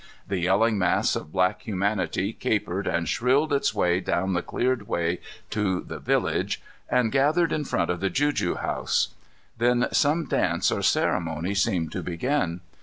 The yelling mass of black humanity capered and shrilled its way down the cleared way to the village and gathered in front of the juju house. Then some dance or ceremony seemed to begin.